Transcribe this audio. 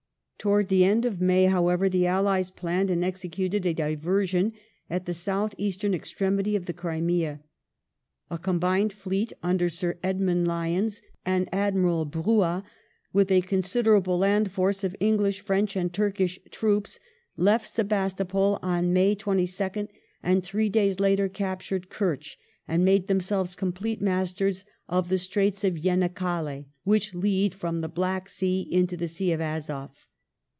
Towards the end of May, however, the allies planned and executed a diver sion at the south eastern extremity of the Crimea. A combined fleet, under Sir Edmund Lyons and Admiral Bruat, with a con siderable land force of English, French, and Turkish troops left Sebastopol on May 22nd, and three days later captured Kertch, and made themselves complete masters of the Straits of Yenikale, which lead from the Black Sea into the Sea of Azof.